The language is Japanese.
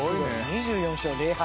２４勝０敗。